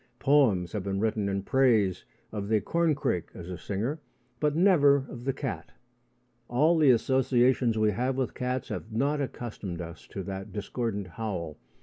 Poems have been written in praise of the corncrake as a singer, but never of the cat. All the associations we have with cats have not accustomed us to that discordant howl.